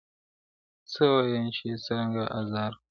څه ووایم چي یې څرنګه آزار کړم-